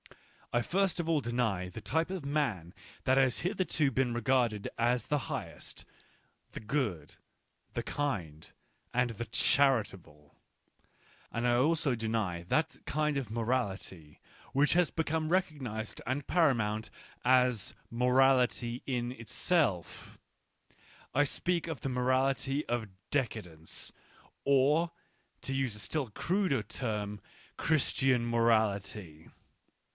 I first of all deny the type of man that has hitherto been regarded as the highest — the good, the kind, and the charitable ; and I also deny that kind of morality which has become recognised and paramount as morality in itself — I speak of the morality of decadence, or, to use a still cruder term, Christian morality.